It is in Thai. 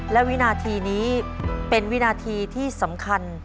และวินาทีนี้เป็นวินาทีที่สำคัญ